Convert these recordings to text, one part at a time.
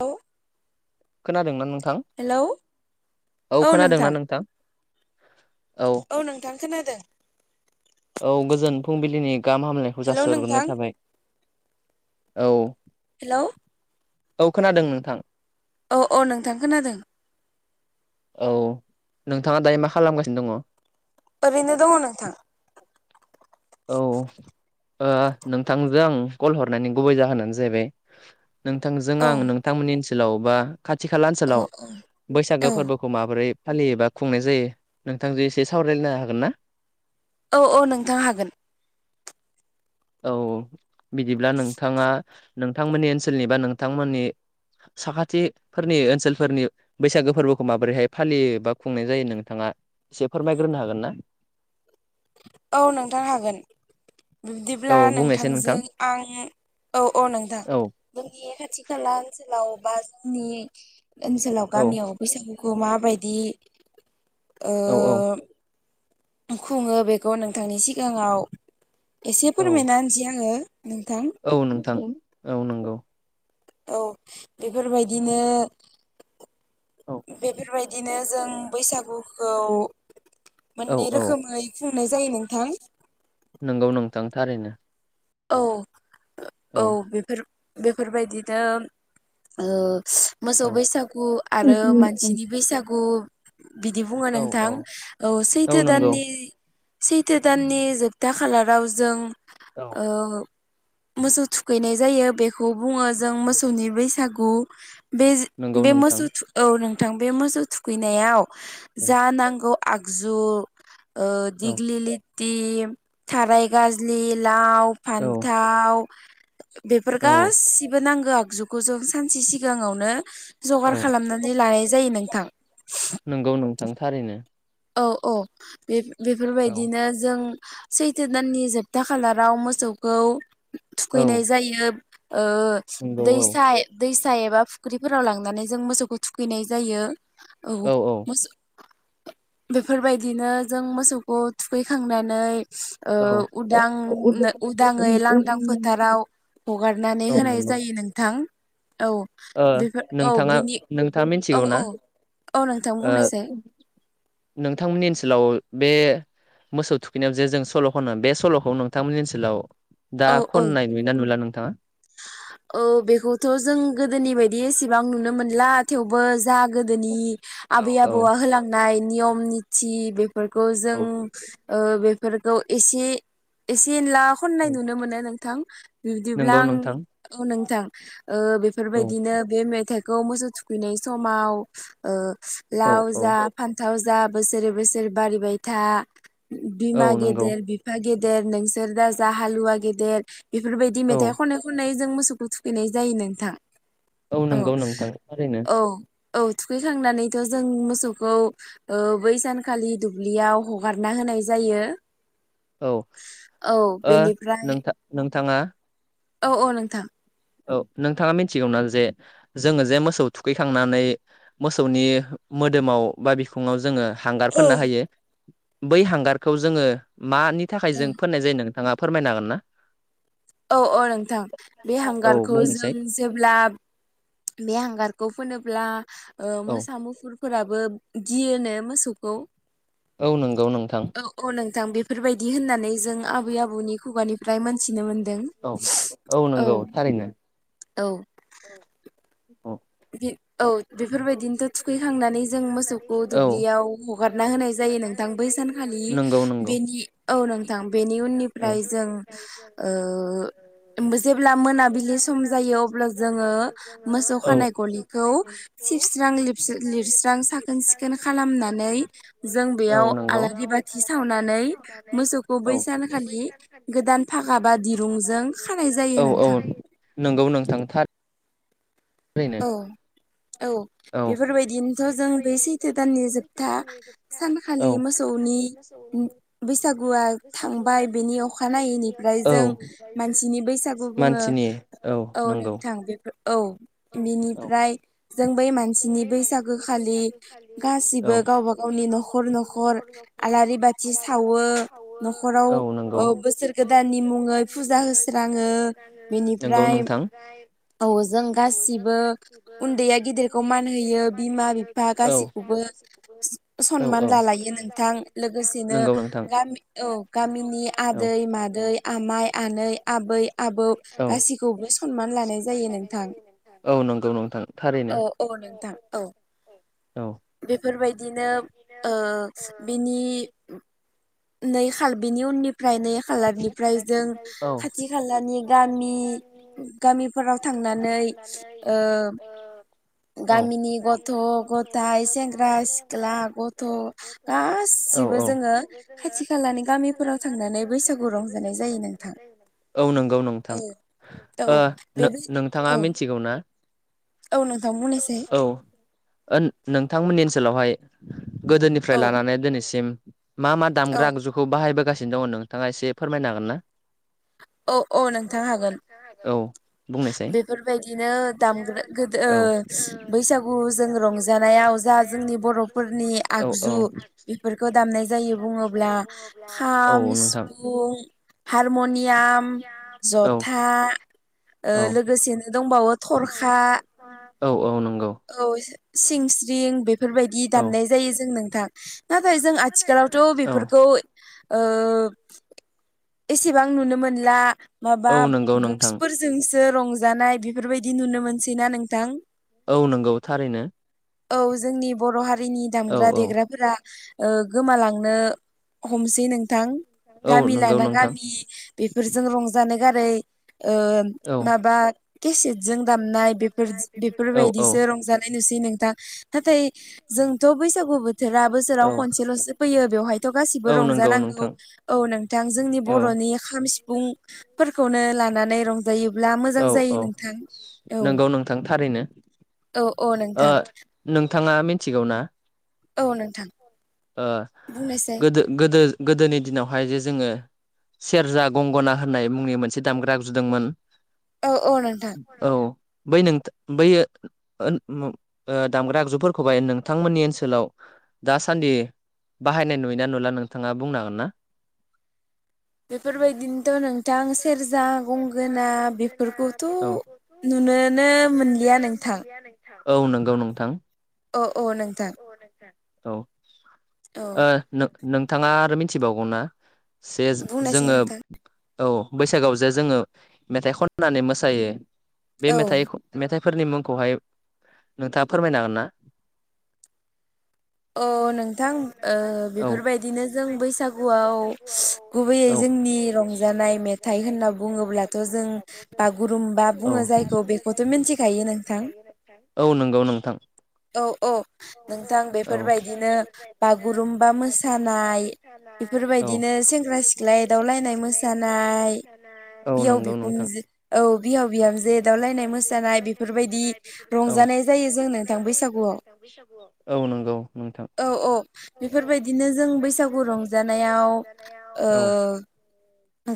औ खोनादों ना नोंथां औ खोनादोंना नोंथां? औ नोंथां खोनादों। औ गोजोन फुंबिलिनि गाहाम हामनायखौ जासिहरग्रोनाय थाबाय औ। हेलौ औ खोनादों नोंथां। औ औ नोंथां खोनादों। औ नोंथाङा दायो मा खालामगासिनो दङ? ओरैनो दङ नोंथां। औ ओ ओ नोंथांजों आं कल हरनायनि गुबै जाहोनानो जाहैबाय। नोंथांजों आं नोंथांमोननि ओनसोलाव बा खाथि खाला ओनसोलाव बैसागो फोरबोखौ माबोरै फालियोबा खुंनाय जायो नोंथांजों एसे सावरायनो हागोन ना? औ औ नोंथां हागोन औ बिदिब्ला नोंथाङा नोंथांमोननि ओनसोलनि बा नोंथांमोननि साखाथिफोरनि ओनसोलफोरनि बैसागो फोरबोखौ माबोरैहाय फालियो बा खुंनाय जायो नोंथाङा एसे फोरमायग्रोनो हागोन ना? औ नोंथां हागोन। बिब्दिब्ला नोंथांजों आं औ औ नोंथां जोंनि खाथि खाला ओनसोलाव बा जोंनि ओनसोलाव गामियाव बैसागुखौ माबायदि ओ खुङो बेखौ नोंथांनि सिगाङाव एसे फोरमायना होनसै आङो। औ नोंथां औ नंगौ। औ बेफोरबायदिनो बेफोरबाय दिनो जों बैसागुखौ मोननै रोखोमै बुंनाय जायो नोंथां। नोंगौ नोंथां थारैनो। औ औ बेफोर बेफोरबायदिनो मोसौ बैसागु आरो मानसिनि बैसागु बिदि बुङो नोंथां औ सैथो दाननि सैथो दाननि जोबथा खालाराव जों मोसौ थुखैनाय जायो बेखौ बुङो जों मोसौनि बैसागु बे बे मोसौ औ नोंथां बे मोसौ थुखैनायाव जा नांगौ आगजु ओ दिग्लि लिथि थाराय गाजलि लाउ, फान्थाव बेफोर गासिबो नांगौ आगजुखौ जों सानसे सिगाङावनो जगार खालामनानै लानाय जायो नोंथां नोंथां थारैनो। औ औ बे बेफोरबायदिनो जों सैथो दाननि जोबथा खालाराव मोसौखौ थुखैनाय जायो। ओ दैसा दैसा एबा फुख्रिफोराव लांनानै जों मोसौखौ थुखैनाय जायो। औ मोसौ बेफोरबायदिनो जों मोसौखौ थुखैखांनानै ओ उदां उदाङै लांदां फोथाराव हगारनानै होनाय जायो नोंथां। औ बेफोर औ बेनि औ औ औ नोंथां बुंनायसाय नोंथांमोननि ओनसोलाव बे मोसौ थुखैनायाव जे जों सल' खनो बे सल'खौ नोंथांमोननि ओनसोलाव दा खननाय नुयोना नुला नोंथाङा औ बेखौथ' जों गोदोनि बायदि एसेबां नुनो मोनला थेवबो जा गोदोनि आबै आबौआ होलांनाय नियम निथि बे फोरखौ जों ओ बेफोरखौ एसे-एसे ला खन्नाय नुनो मोनो नोंथां बिदिब्ला आं औ नोंथां ओ बेफोरबायदिनो बे मेथाइखौ मोसौ थुखैनाय समाव ओ लाव जा फान्थाव जा बोसोरै बोसोरै बारिबायथा। बिमा गेदेर बिफा गेदेर नोंसोर दा जा हालुवा गेदेर बेफोरबायदि मेथाइ खनै खनै जों मोसौखौ थुखैनाय जायो नोंथां। औ-औ। औ थुखैखांनानैथ' जों मोसौखौ ओ बै सानखालि दुब्लियाव हगारना होनाय नाय जायो। औ ओ नोंथ नोंथाङा औ-औ नोंथां । औ नोंथाङा मिथिगौना जे जोङो जे मोसौ थुखैखांनानै मोसौनि मोदोमाव बा बिखुङाव जोङो हांगार फोननो हायो बै हांगारखौ जोङो मानि थाखाय जों फोननाय जायो नोंथाङा फोरमायनो हागोन ना। औ-औ नोंथां बे हांगारखौ जों जेब्ला बे हांगारखौ फोनोब्ला मोसा मुफुर फोराबो गियोनो मोसौखौ औ नंगौ नोंथां। नोंथां बेफोरबायदि होननानै जों आबै आबौनि खुगानिफ्राय मोन औ-औ नंगौ औ थारैनो औ औ। बेफोरबायदिनोथ' थुखैखांनानै जों मोसौखौ दुब्लियाव हगारना होनाय जायो नोंथां बै सानखालि। नि बेनि औ नोंथां बेनि उननिफ्राय जों ओ जेब्ला मोनाबिलि सम जायो अब्ला जोङो मोसौ खानाय गलिखौ सिबस्रां लिरस्रां साखोन सिखोन खालामनानै जों बेयाव आलारि बाथि सावनानै मोसखौ बै सानखालि गोदान फागा बा दिरुंजों औ-औ नंगौ नों थांथार औ। औ बेफोरबायदिनोथ' जों बै सैथो दाननि जोबथा सानखालि मोसौ मोसैनि बैसागुआ थांबाय बेनि अखानायैनिफ्राय जों मानसिनि बैसागु बुङो औ नोंथां बेफोर औ। बिनिफ्राय जों बै मानसिनि बैसागोखालि गासिबो गावबा गावनि नि न'खर-न'खर आलारि बाथि सावो न'खराव ओ बोसोर गोदान नि मुङै फुजा होस्राङो बिनिफ्राय औ जों गासिबो उन्दैया गिदिरखौ मान होयो बिमा बिफा गाैखौबो सनमान लालायो नोंथां लोगोसेनो गामि औ गामिनि आदै मा मादै आमाइ आनै आबै आबौ गाैखौबो सनमान लानाय जायो नोंथां। औ-औ नोंथां औ। बेफोरबायदिनो ओ बिनि नै खाल बिनि उननि फ्राय नै खालारनिफ्राय जों खाथि खालानि गामि गामिफोराव थांना नानै ओ [inaudible] गामिनि गथ' गथायाइ सेंग्रा सिख्ला गथ' गासिबो जोङो खाथि खालानि गामिफोराव थांनानै औ नंगौ नोंथां ओ नों नोंथाङा मा मिनथिगौ ना औ नोंथांमोननि ओनसोलावहाय गोदोनिफ्राय लानानै दिनैसिम मा मा दामग्रा आगजुखौ बाहायबोगासिनो दङ नोंथाङा एसे फोरमायनो हागोन ना? औ औ नोंथां हागोन बेफोरबायदिनो दामग्रा गोदो ओ बैसागु जों रंजानायाव जा जोंनि बर'फोरनि आगजु बेफोरखौ दामनाय जायो बुङोब्ला खाम फुं हारम'नियाम जथा लोगोसेनो दंबावो थरखा औ औ नं औ सिंस्रिं बे बेफोरबायदि दाननाय जायो जों नोंथां नाथाय जों आथिखालावथ' बेफोरखौ ओ एसेबां नुनो मोनला माबा बक्सफोरजोंसो रंजानाय बेफोरबायदि नुनो मोनसैना नोंथां औ नंगौ थारैनो औ जोंनि बर' हारिनि दामग्रा देग्राफोरा ओ गोमालांनो हमसै नोंथां गामि लाना गामि बेफोरजों रंजानो गारै ओ माबा केसेटजों दामनाय बेफोर बेफोरबायदिसो रंजानाय नुस नोंथां नाथाय जोंथ' बैसागु बोथोरा बोसोराव खनसेलनसे फैयो बेवहायथ' गासिबो रंजानांगौ औ नोंथां जोंनि बर' नि खाम सिफुंफोरखौनो लानानै रंज जायोब्ला मोजां जायो नोंथां औ औ औ नोंथां नोंथाङा मिथिगौ ना औ नोंथां ओ गोदो गोदो गोदोनि दिनावहाय जे जोङो सेरजा गंगना होननाय मुंनि मोनसे दामग्रा आगजु दोंमोन औ बै नोंथ बै ओ दामग्रा आगजुफोरखौहाय नोंथांमोननि ओनसोलाव दासान्दि बाहायनाय नुयो ना नुला नोंथाङा बुंनो हागोन ना । बेफोरबायदिनोथ' नोंथां सेरजा गंगोना बेफोरखौथ' नुनो नुनोनो मोनलिया नोंथां औ नंगौ नोंथां। औ औ नोंथां औ नोंथाङा आरो मिथिबावगौ ना से जोङो औ बैसागआव जे जोङो मेथाइ खननानै मोसायो बे मेथाइ ख मेथाइ फोरनि मुंखौहाय नोंथाङा फोरमायनो हागोन ना । अ नोंथां ओ बेफोरबायदिनो जों बैसागुआव गुबैयै जोंनि नि रंजानाय मेथाइ होनना बुङोब्लाथ' जों बागुरुम्बा बुङो जायखौ बेखौथ' औ नंगौ नोंथां औ औ नोंथां बे औ बागुरुमबा मोसानाय बेफोरबायदिनो सेंग्रा सिख्ला एदावलायनाय मोसानाय नाय बिहाव बिखुनजो औ बिहाव बिहामजो एदावलायनाय मोसानाय बेफोरबायदि रंजानाय जायो जों नोंथां बैसागुआव । औ औ बेफोरबायदिनो जों बैसागु रंजानायाव ओ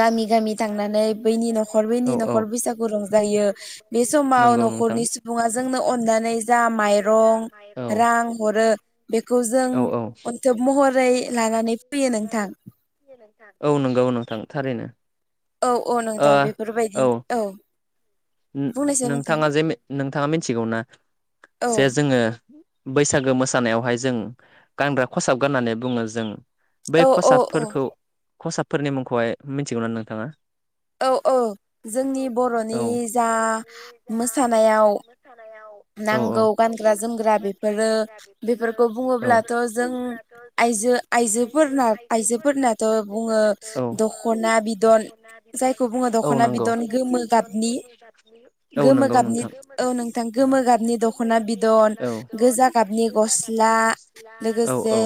गामि गामि थांनानै बैनि न'खर बैनि न'खर बैसागु रंजायो बे समाव अ न'खरनि सुबुङ जोंनो अननानै जा माइरं, रां हरो बेखौ जों अन्थोब महरै लानानै औ नंगौ नोंथां थारैनो औ औ नोंथां बेफोरबायदि औ ओम नोंथाङा जे मे नोंथाङा मिथिगौ ना जे जोङो बैसागो मोसानायावहाय जों गानग्रा खसाब गाननानै बुङो जों बै खसाबफोरखौ खसाबफोरनि मुंखौहाय मिथिगौ ना नोंथाङा? औ औ जोंनि बर'नि जा मोसानायाव नांगौ गानग्रा जोमग्रा बेफोरो बेफोरखौ बुङोब्लाथ' जों आइजो आइजोफोरना आइजोफोरनाथ' बुङो दख'ना बिदन जायखौ बुङो दख'ना बिदन गोमो गाबनि गोमो गाबनि औ नंगौ नोंथां गोमो गाबनि गोमो गाबनि दख'ना बिदन, गोजा गाबनि गस्ला लोगोसे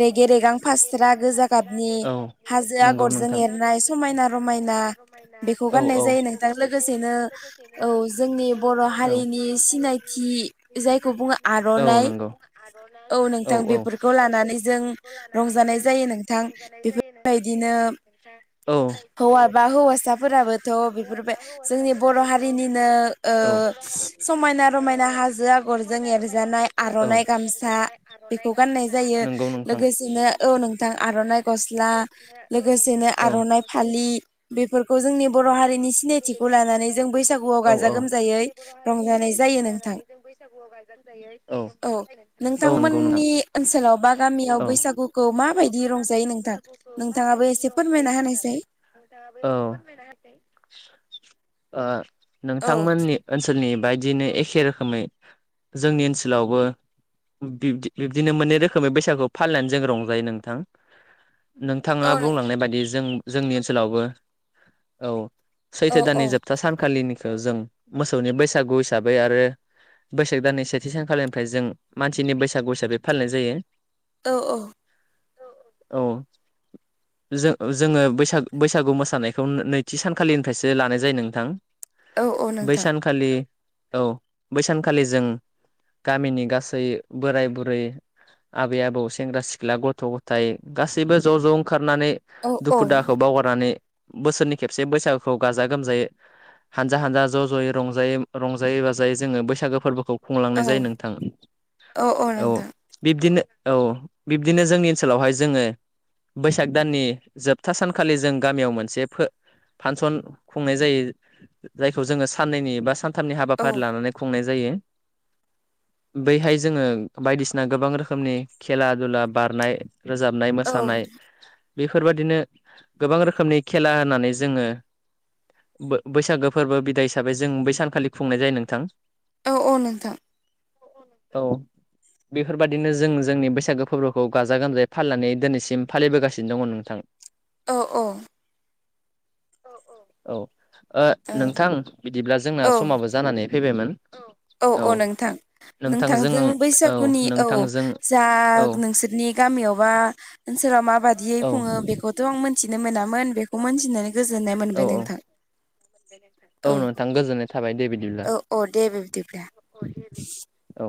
रेगे-रेगां फास्रा गोजा गाबनि हाजो आगरजों एरनाय समायना रमायना ना बेखौ गाननाय जायो नोंथां लोगोसेनो औ जोंनि बर' हारि नि सिनायथि जायखौ बुङो आर'नाइ औ नोंथां बेफोरखौ ला नानै जों रंजानाय जायो नोंथां बेफोरबायदिनो हौवा बा हौवासाफोराबोथ' बेफोरबाय जोंनि बर' हारिनिनो ओ समायना रमायना हाजो आगरजों एरजानाय आर'नाइ गामसा बेखौ गाननाय जायो लोगोसेनो औ नोंथां आर'नाइ गस्ला ला लोगोसेनो आर'नाय फालि बेफोर खौ जोंनि बर' हारिनि सिनायथिखौ लानानै जों बैसागुआव गाजा गोमजायै रंजानाय जायो नोंथां। औ नोंथांमोननि ओनसोलाव बा गामियाव बैसा गुनखौ माबायदि रंजायो नोंथां नोंथाङा एसे फोर मायना होनायसाय ओ नोंथांमोननि ओनसोलनि बायदिनो एखे रोखोमै जोंनि ओनसोलावबो बिब्दि बिब्दिनो मोननै रोखोमै बैसागु फालिनानै जों रंजायो नोंथां नोंथाङा बुंलांनाय बायदि जों जोंनि ओनसोलावबो औ सैथो दाननि जोबथा सानखालिनिखौ जों मोसौनि बैसागु हिसाबै आरो बैसाग दाननि सेथि सानखालिनिफ्राय जों मानसिनि बैसागु हिसाबै फालिनाय जायो। औ औ औ जो- जोङो बैसाग बैसागु मोसानायखौ नै थि सानखालिनिफ्रायसो लानाय जायो नोंथां बै सानखालि औ बैसानखालि जों गामिनि गासै बोराय बुरै आबै आबौ सेंग्रा सिख्ला गथ' गथाय गासैबो ज' ज' ओंखा खारनानै दुखु दाहाखौ बावगारनानै बोसोरनि खेबसे बैसागुखौ गाजा गोमजायै हानजा हानजा ज' ज'यै रंजायै रंजायै-बाजायै जोङो बैसागो फोरबोखौ खुंलांनाय जायो नोंथां। औ बिब्दिनो औ बिब्दिनो जोंनि ओनसोलावहाय जोङो बैसाग दाननि जोबथा सानखालि जों गामियाव मोनसे फो फांसन खुंनाय जायो जायखौ जोङो साननैनि बा सान थामनि हाबाफारि लानानै खुंनाय जायो। बैहाय जोङो बायदिसिना गोबां रोखोमनि खेला दुला बारनाय रोजाबनाय मोसानाय बेफोरबादिनो गोबां रोखोमनि खेला होनानै जोङो बो-बैसागो फोरबो बिदाय हिसाबै जों बै सानखालि खुंनाय जायो नोंथां। औ औ नोंथां औ बेफोरबायादिनो जों जोंनि बैसागो फोरबोखौ गाजा गोमजायै फालिनानै दिनैसिम फालिबोगासिनो दङ नोंथां। अ अ अ अ औ नोंथां बिदिब्ला जोंना समाबो जानानै फैबायमोन। औ औ नोंथां। नोंथांजों बैसागुनि औ जा नोंसोरनि गामियावबा ओनसोल फोराव माबायदियै खुंङो बेखौथ' आं मोनथिनो मोना मोन बेखौ मोनथिनानै गोजोननाय मोनबाय नोंथां। औ नोंथां गोजोननाय थाबाय दे बिदिब्ला। [unintelligible]